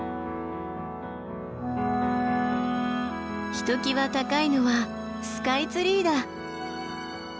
ひときわ高いのはスカイツリーだ！